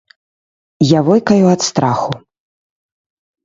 Я войкаю ад страху.